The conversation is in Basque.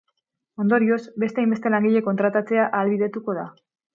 Ondorioz, beste hainbeste langile kontratatzea ahalbidetuko da.